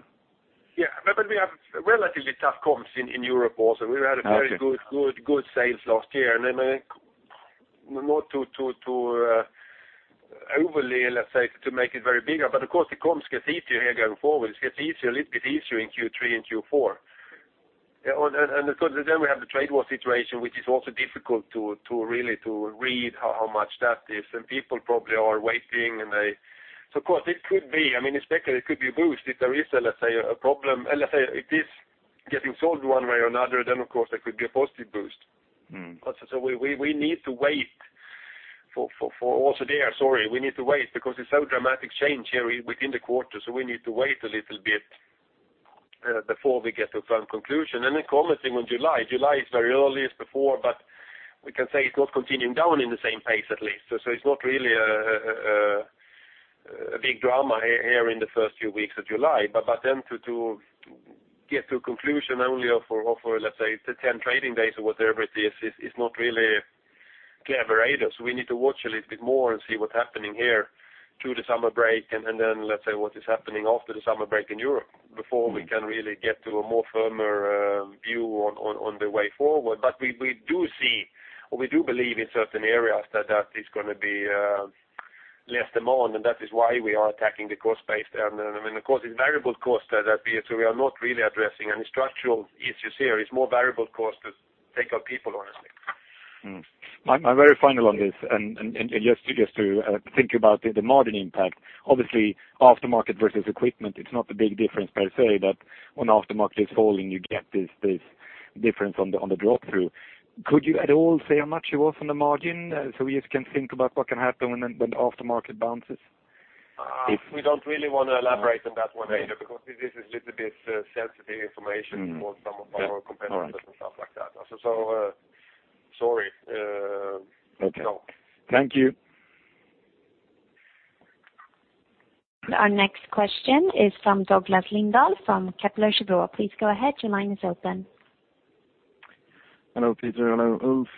Yeah. We have relatively tough comps in Europe also. We had a very good sales last year, not to overly, let's say, to make it very bigger, of course the comps gets easier here going forward. It gets a little bit easier in Q3 and Q4. Of course, then we have the trade war situation, which is also difficult to really read how much that is, and people probably are waiting. Of course it could be, I mean, especially it could be a boost if there is, let's say a problem. Let's say if it's getting solved one way or another, of course there could be a positive boost. We need to wait for also there, sorry, we need to wait because it's so dramatic change here within the quarter, we need to wait a little bit before we get to a firm conclusion. Commenting on July. July is very early as before, we can say it's not continuing down in the same pace at least. It's not really a big drama here in the first few weeks of July. To get to a conclusion only for, let's say, the 10 trading days or whatever it is, it's not really clear to us. We need to watch a little bit more and see what's happening here through the summer break, let's say, what is happening after the summer break in Europe before we can really get to a more firmer view on the way forward. We do see, or we do believe in certain areas that is going to be less demand, that is why we are attacking the cost base there. Of course, it's variable cost there that we are not really addressing any structural issues here. It's more variable cost to take out people, honestly. I'm very final on this. Just to think about the margin impact, obviously, aftermarket versus equipment, it's not a big difference per se, but when aftermarket is falling, you get this difference on the drop-through. Could you at all say how much it was on the margin, we just can think about what can happen when the aftermarket bounces? We don't really want to elaborate on that one either, because this is a little bit sensitive information for some of our competitors and stuff like that. Sorry. Okay. Thank you. Our next question is from Douglas Lindahl from Kepler Cheuvreux. Please go ahead. Your line is open. Hello, Peter. Hello, Ulf.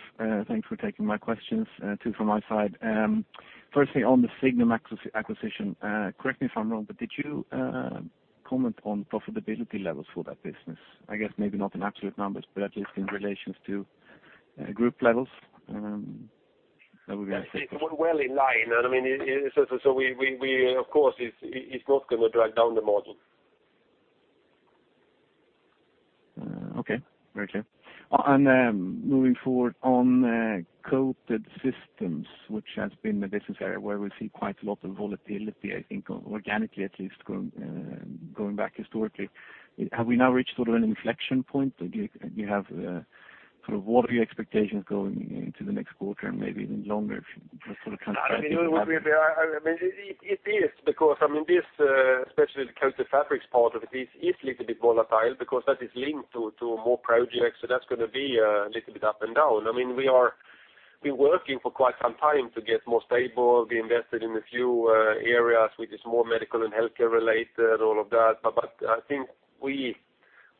Thanks for taking my questions, two from my side. Firstly, on the Signum acquisition, correct me if I'm wrong, but did you comment on profitability levels for that business? I guess maybe not in absolute numbers, but at least in relations to group levels? It's well in line. Of course, it's not going to drag down the margin. Okay, very clear. Moving forward on Coated Systems, which has been this area where we see quite a lot of volatility, I think organically at least, going back historically, have we now reached sort of an inflection point? What are your expectations going into the next quarter and maybe even longer? It is because, especially the coated fabrics part of it is a little bit volatile because that is linked to more projects, so that's going to be a little bit up and down. We've been working for quite some time to get more stable, be invested in a few areas which is more medical and healthcare-related, all of that. I think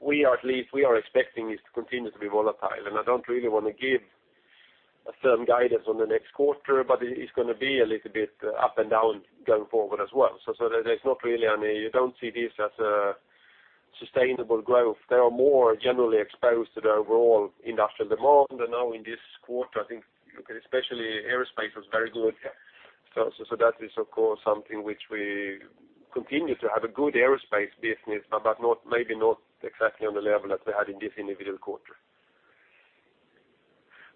we are at least, we are expecting it to continue to be volatile. I don't really want to give a firm guidance on the next quarter, but it's going to be a little bit up and down going forward as well. You don't see this as a sustainable growth. They are more generally exposed to the overall industrial demand. Now in this quarter, I think especially aerospace was very good. That is, of course, something which we continue to have a good aerospace business, but maybe not exactly on the level that we had in this individual quarter.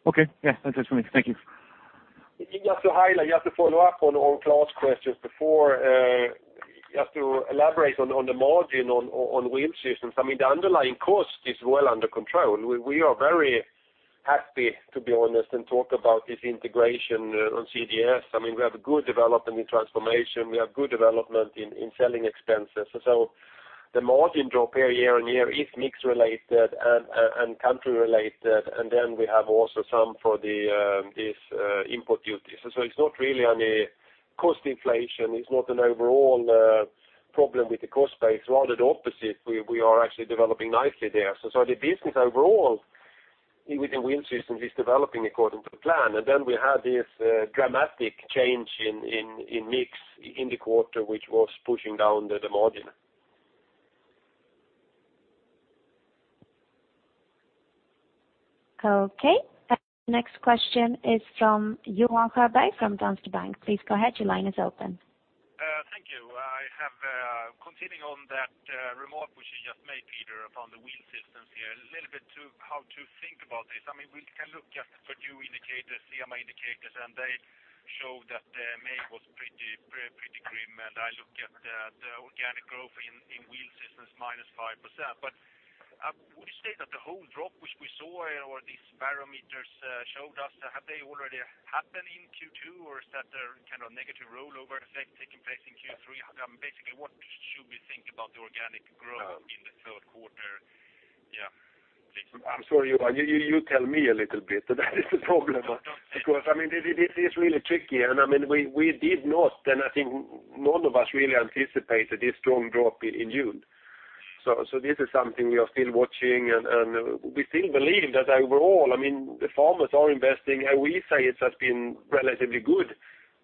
Okay. Yeah, that's what I mean. Thank you. Just to highlight, just to follow up on Klas' questions before, just to elaborate on the margin on Wheel Systems, the underlying cost is well under control. We are very happy, to be honest, and talk about this integration on CGS. We have a good development in transformation. We have good development in selling expenses. The margin drop year-on-year is mix-related and country-related, and then we have also some for these import duties. It's not really any cost inflation. It's not an overall problem with the cost base. Rather the opposite, we are actually developing nicely there. The business overall within Wheel Systems is developing according to plan. Then we had this dramatic change in mix in the quarter, which was pushing down the margin. Okay. Next question is from Olof Larshammar from Danske Bank. Please go ahead. Your line is open. Thank you. Continuing on that remark which you just made, Peter, upon the Wheel Systems here, a little bit to how to think about this. We can look at Purdue indicators, CEMA indicators, they show that May was pretty grim, and I look at the organic growth in Wheel Systems, -5%. Would you say that the whole drop which we saw or these parameters showed us, have they already happened in Q2, or is that a kind of negative rollover effect taking place in Q3? Basically, what should we think about the organic growth in the third quarter? Yeah. I'm sorry, Olof. You tell me a little bit. That is the problem, because it is really tricky. We did not, and I think none of us really anticipated this strong drop in June. This is something we are still watching, and we still believe that overall, the farmers are investing, and we say it has been relatively good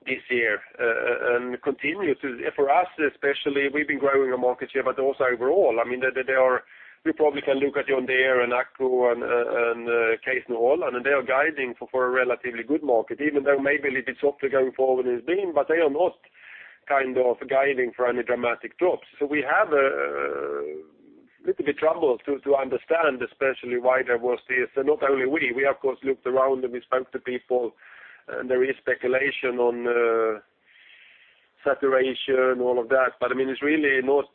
this year and continue to. For us especially, we've been growing our market share, but also overall. We probably can look at John Deere and AGCO and Case New Holland, they are guiding for a relatively good market, even though maybe a little bit softer going forward than it has been, but they are not kind of guiding for any dramatic drops. We have a little bit trouble to understand, especially why there was this, and not only we. We, of course, looked around, and we spoke to people, there is speculation on saturation, all of that. It's really not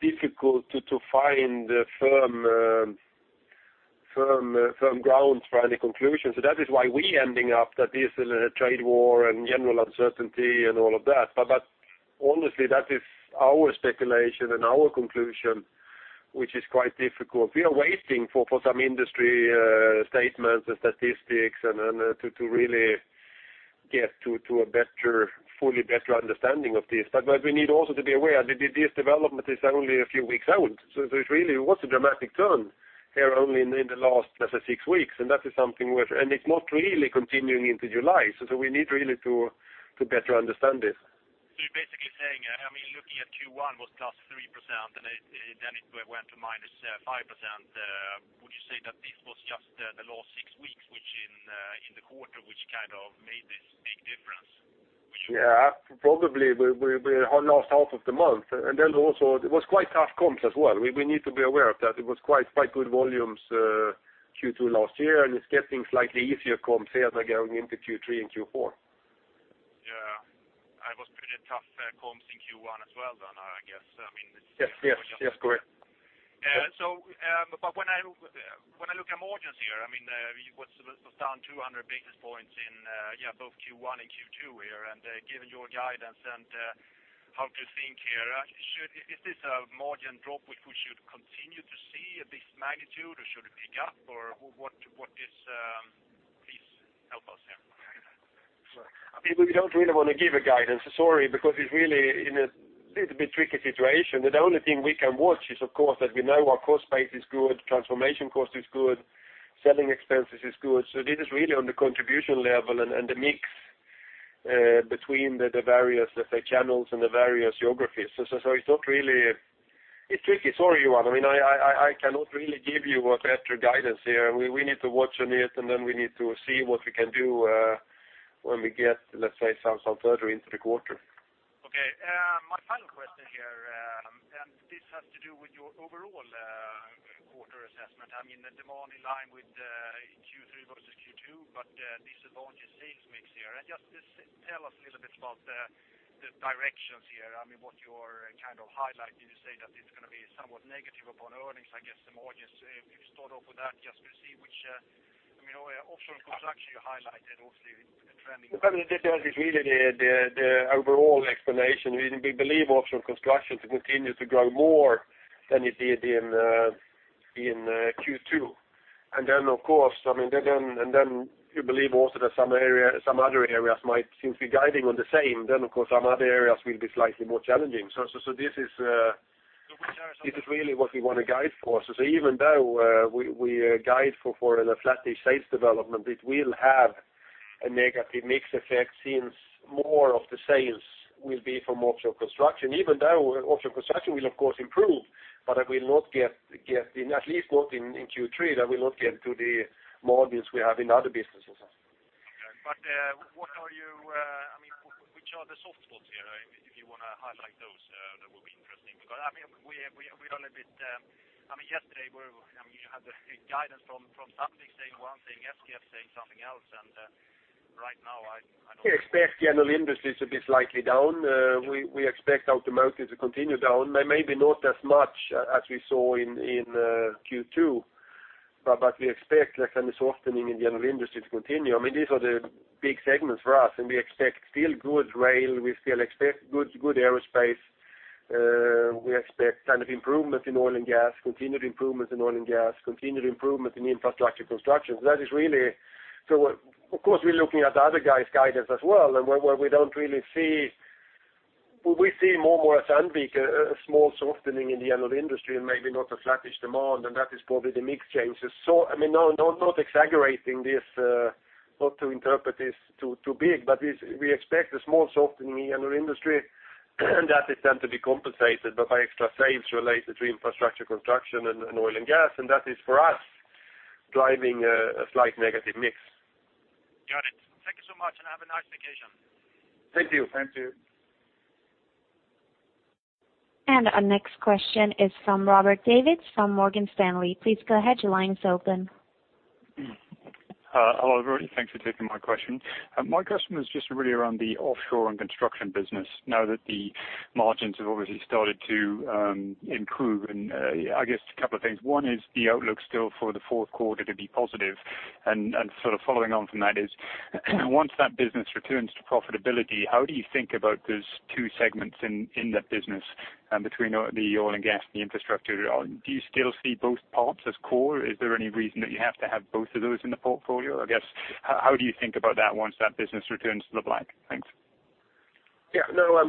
difficult to find firm ground for any conclusion. That is why we ending up that this trade war and general uncertainty and all of that. Honestly, that is our speculation and our conclusion, which is quite difficult. We are waiting for some industry statements and statistics and to really get to a fully better understanding of this. We need also to be aware, this development is only a few weeks out, it really was a dramatic turn here only in the last, let's say, six weeks. It's not really continuing into July. We need really to better understand this. You're basically saying, looking at Q1 was plus 3%, it went to minus 5%. Would you say that this was just the last six weeks, which in the quarter, which made this big difference? Probably the last half of the month. Then also it was quite tough comps as well. We need to be aware of that. It was quite good volumes, Q2 last year, and it is getting slightly easier comps here by going into Q3 and Q4. Yeah. It was pretty tough comps in Q1 as well then, I guess. Yes, correct. When I look at margins here, it was down 200 basis points in both Q1 and Q2 here. Given your guidance and how to think here, is this a margin drop which we should continue to see at this magnitude? Should it pick up? Please help us here. We don't really want to give a guidance, sorry, because it's really in a little bit tricky situation. The only thing we can watch is, of course, that we know our cost base is good, transformation cost is good, selling expenses is good. This is really on the contribution level and the mix between the various effect channels and the various geographies. Sorry, Olof, I cannot really give you a better guidance here. We need to watch on it, then we need to see what we can do when we get, let's say, some further into the quarter. Okay. My final question here, this has to do with your overall quarter assessment. The demand in line with Q3 versus Q2, this advantage sales mix here. Just tell us a little bit about the directions here, what you're highlighting. You say that it's going to be somewhat negative upon earnings, I guess the margins, if you start off with that, just to see which Offshore & Construction you highlighted, obviously, trending. The difference is really the overall explanation. We believe Offshore & Construction to continue to grow more than it did in Q2. We believe also that some other areas might seem to be guiding on the same, of course, some other areas will be slightly more challenging. Which are some of the. This is really what we want to guide for. Even though we guide for a flat sales development, it will have a negative mix effect since more of the sales will be from Offshore & Construction. Even though Offshore & Construction will, of course, improve, but at least not in Q3, that will not get to the margins we have in other businesses. Okay. Which are the soft spots here? If you want to highlight those, that will be interesting because yesterday you had the guidance from Sandvik saying one thing, SKF saying something else, right now I don't- We expect general industry to be slightly down. We expect automotive to continue down. Maybe not as much as we saw in Q2, but we expect a softening in general industry to continue. These are the big segments for us. We expect still good rail, we still expect good aerospace. We expect improvement in oil and gas, continued improvement in oil and gas, continued improvement in infrastructure construction. Of course, we're looking at the other guys' guidance as well. We see more at Sandvik, a small softening in the general industry, maybe not a flattish demand, that is probably the mix changes. Not exaggerating this, not to interpret this too big, we expect a small softening in general industry, that is then to be compensated by extra sales related to infrastructure construction and oil and gas, that is, for us, driving a slight negative mix. Got it. Thank you so much. Have a nice vacation. Thank you. Thank you. Our next question is from Robert David from Morgan Stanley. Please go ahead, your line is open. Hello, everybody. Thanks for taking my question. My question is just really around the Offshore & Construction business now that the margins have obviously started to improve. I guess a couple of things. One, is the outlook still for the fourth quarter to be positive? Following on from that is, once that business returns to profitability, how do you think about those two segments in that business between the oil and gas and the infrastructure? Do you still see both parts as core? Is there any reason that you have to have both of those in the portfolio? I guess, how do you think about that once that business returns to the black? Thanks. Yeah, no,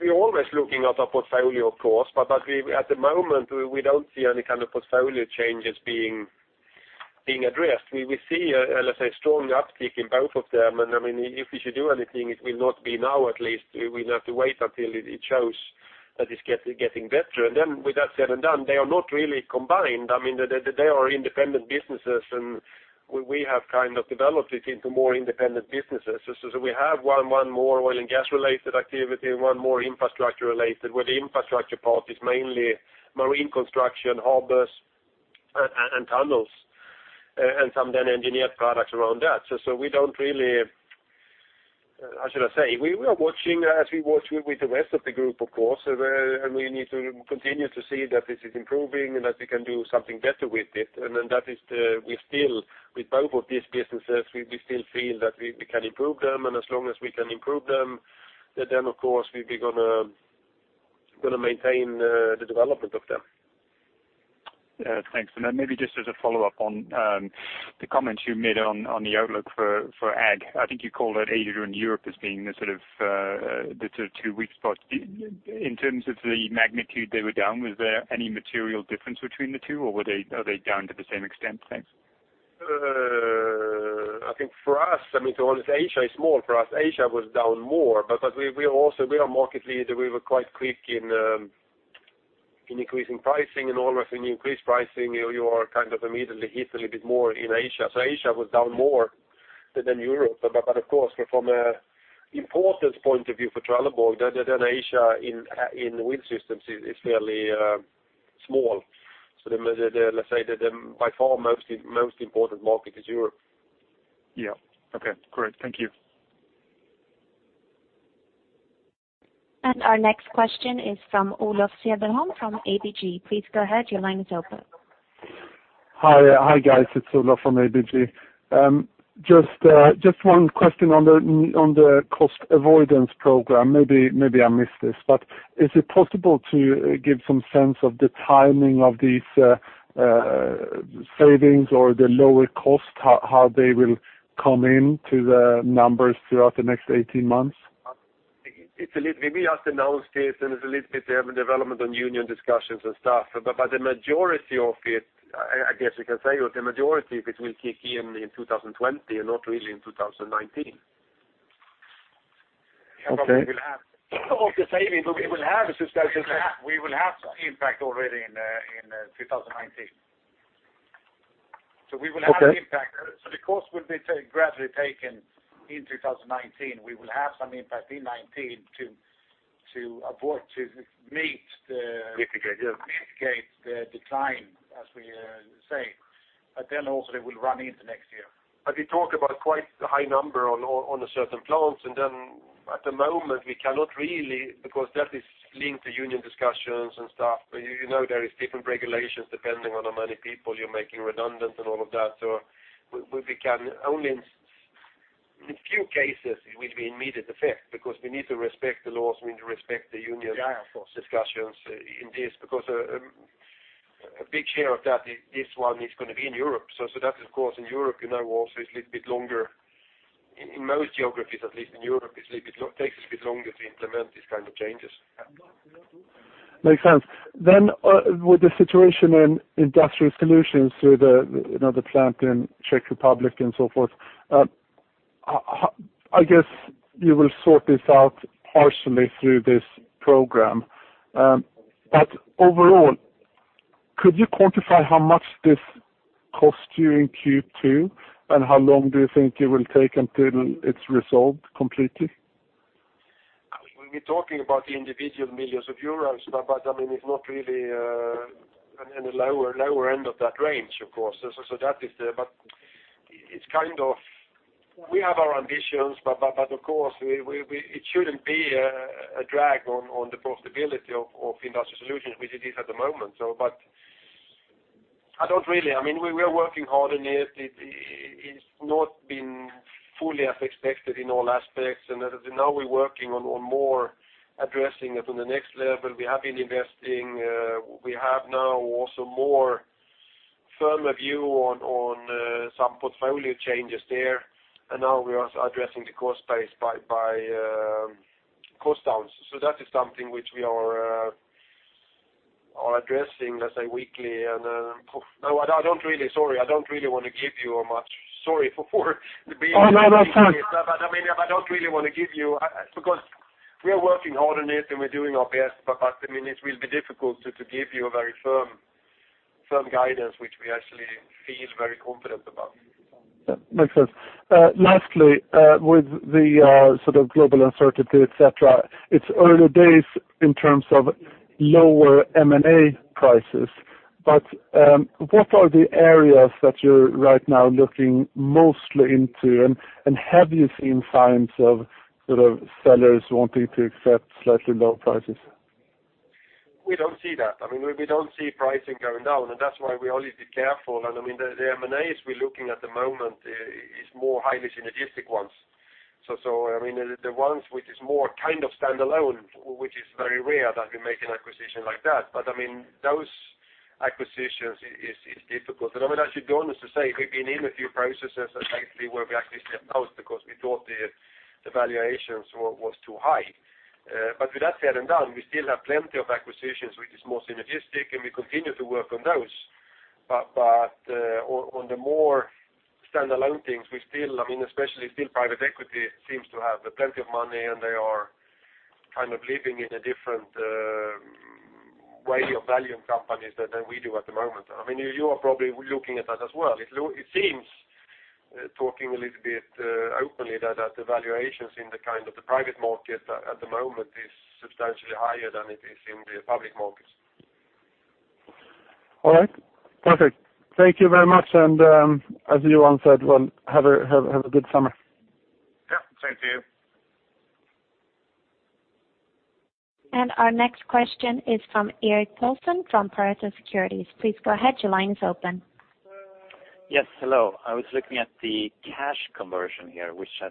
we're always looking at our portfolio, of course. At the moment, we don't see any kind of portfolio changes being addressed. We see, let's say, strong uptick in both of them, and if we should do anything, it will not be now, at least. We'll have to wait until it shows that it's getting better. With that said and done, they are not really combined. They are independent businesses, and we have developed it into more independent businesses. We have one more oil and gas-related activity and one more infrastructure-related, where the infrastructure part is mainly marine construction, harbors, and tunnels. Some then engineered products around that. We are watching as we watch with the rest of the group, of course, and we need to continue to see that this is improving and that we can do something better with it. That is, we still, with both of these businesses, we still feel that we can improve them. As long as we can improve them, then of course we're going to maintain the development of them. Thanks. Then maybe just as a follow-up on the comments you made on the outlook for ag. I think you called out Asia and Europe as being the sort of two weak spots. In terms of the magnitude they were down, was there any material difference between the two, or are they down to the same extent? Thanks. I think for us, to be honest, Asia is small for us. Asia was down more. We are market leader. We were quite quick in increasing pricing. Always when you increase pricing, you are immediately hit a little bit more in Asia. Asia was down more than Europe. Of course, from an importance point of view for Trelleborg, then Asia in Wheel Systems is fairly small. Let us say that by far most important market is Europe. Yeah. Okay, great. Thank you. Our next question is from Olof Cederholm from ABG. Please go ahead. Your line is open. Hi, guys. It is Olof from ABG. One question on the cost avoidance program. Maybe I missed this. Is it possible to give some sense of the timing of these savings or the lower cost, how they will come in to the numbers throughout the next 18 months? We just announced this, it's a little bit development on union discussions and stuff. The majority of it, I guess we can say, the majority of it will kick in in 2020 and not really in 2019. Okay. Of the savings we will have is that. We will have impact already in 2019. We will have impact. Okay. The cost will be gradually taken in 2019. We will have some impact in 2019 to avoid, to meet the. Mitigate, yes mitigate the decline, as we say. Also it will run into next year. We talk about quite a high number on certain plants, and then at the moment we cannot really, because that is linked to union discussions and stuff. You know there is different regulations depending on how many people you're making redundant and all of that. We can only in few cases it will be immediate effect, because we need to respect the laws, we need to respect the union- Yeah, of course discussions in this, because a big share of that, this one, is going to be in Europe. That of course, in Europe you know also it's a little bit longer, in most geographies, at least in Europe, it takes a bit longer to implement these kind of changes. Makes sense. With the situation in Industrial Solutions through the plant in Czech Republic and so forth, I guess you will sort this out partially through this program. Overall, could you quantify how much this costs you in Q2, and how long do you think it will take until it's resolved completely? We're talking about individual millions of EUR, but it's not really in the lower end of that range, of course. We have our ambitions, but of course, it shouldn't be a drag on the profitability of Industrial Solutions, which it is at the moment. We are working hard, and it's not been fully as expected in all aspects, and now we're working on more addressing it on the next level. We have been investing. We have now also more firm view on some portfolio changes there, and now we are addressing the cost base by cost downs. That is something which we are addressing, let's say, weekly. Sorry, I don't really want to give you much. Sorry for being. Oh, no. That's fine. I don't really want to give you, because we are working hard on it, and we're doing our best, but it will be difficult to give you a very firm guidance which we actually feel very confident about. Makes sense. Lastly, with the sort of global uncertainty, et cetera, it's early days in terms of lower M&A prices. What are the areas that you're right now looking mostly into, and have you seen signs of sellers wanting to accept slightly lower prices? We don't see that. We don't see pricing going down, and that's why we always be careful. The M&As we're looking at the moment is more highly synergistic ones. The ones which is more kind of standalone, which is very rare that we make an acquisition like that. Those acquisitions is difficult. Actually, to be honest to say, we've been in a few processes lately where we actually stepped out because we thought the valuations was too high. With that said and done, we still have plenty of acquisitions which is more synergistic, and we continue to work on those. On the more standalone things, especially still private equity seems to have plenty of money, and they are kind of living in a different way of valuing companies than we do at the moment. You are probably looking at that as well. It seems talking a little bit openly that the valuations in the private market at the moment is substantially higher than it is in the public market. All right, perfect. Thank you very much, as Ulf said, well, have a good summer. Yeah. Same to you. Our next question is from Erik Paulsson from Pareto Securities. Please go ahead. Your line is open. Yes. Hello. I was looking at the cash conversion here, which has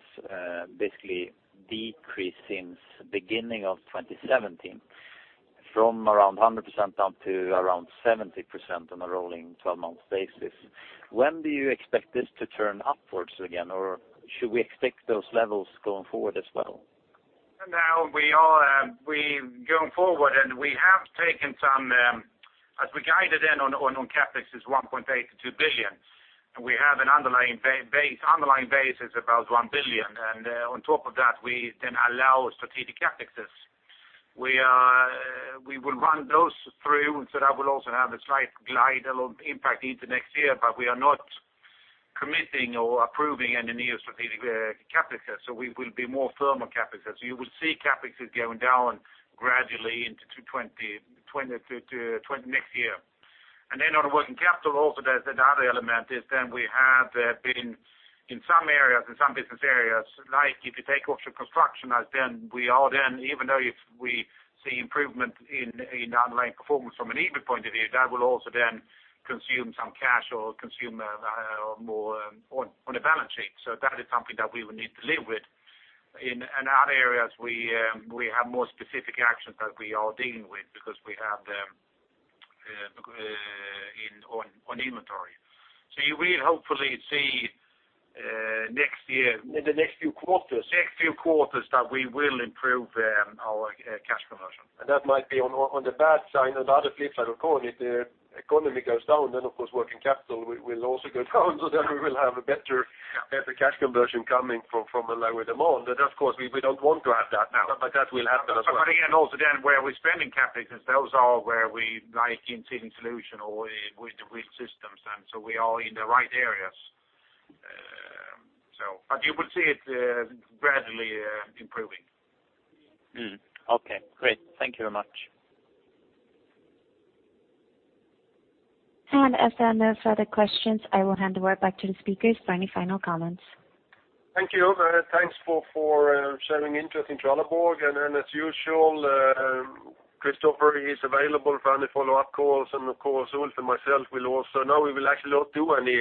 basically decreased since beginning of 2017 from around 100% down to around 70% on a rolling 12-month basis. When do you expect this to turn upwards again? Should we expect those levels going forward as well? Going forward, as we guided on CapEx is 1.8 billion-2 billion. We have an underlying base is about 1 billion, on top of that, we then allow strategic CapEx. We will run those through, that will also have a slight glide impact into next year, we are not committing or approving any new strategic CapEx, we will be more firm on CapEx. You will see CapEx going down gradually into next year. On the working capital also, there's another element, we have been in some areas, in some business areas, like if you take Offshore & Construction, even though if we see improvement in underlying performance from an EBIT point of view, that will also then consume some cash or consume more on the balance sheet. That is something that we will need to live with. In other areas, we have more specific actions that we are dealing with because we have on inventory. You will hopefully see in the next few quarters that we will improve our cash conversion. That might be on the bad side. On the other flip side, of course, if the economy goes down, of course working capital will also go down, we will have a better cash conversion coming from a lower demand. Of course, we don't want to have that now, that will happen as well. Again, where we're spending CapEx, those are where we like in Sealing Solutions or with the Wheel Systems, we are in the right areas. You will see it gradually improving. Okay, great. Thank you very much. As there are no further questions, I will hand the word back to the speakers for any final comments. Thank you. Thanks for showing interest in Trelleborg. As usual, Christofer is available for any follow-up calls. Of course, Ulf and myself will also. Now we will actually not do any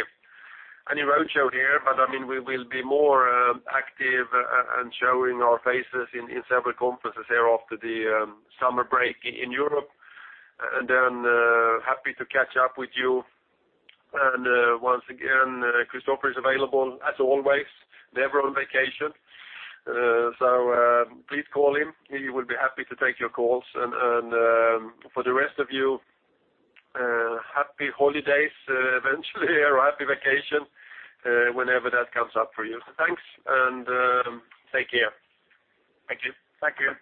roadshow here, but we will be more active and showing our faces in several conferences here after the summer break in Europe. Happy to catch up with you. Once again, Christofer is available as always, never on vacation. Please call him. He will be happy to take your calls. For the rest of you, happy holidays eventually, or happy vacation, whenever that comes up for you. Thanks, and take care. Thank you. Thank you.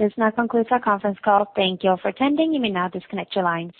This now concludes our conference call. Thank you all for attending. You may now disconnect your lines.